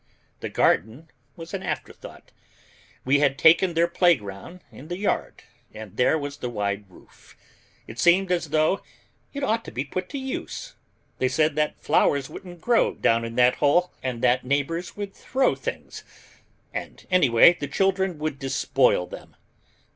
The garden was an afterthought we had taken their playground in the yard, and there was the wide roof. It seemed as though it ought to be put to use. They said flowers wouldn't grow down in that hole, and that the neighbors would throw things, and anyway the children would despoil them.